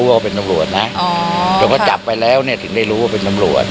อ๋อแต่ก็จับไปแล้วเนี้ยถึงได้รู้ว่าเป็นตำลวจ